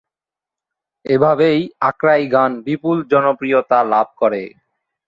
এভাবে আখড়াই গান বিপুল জনপ্রিয়তা লাভ করে।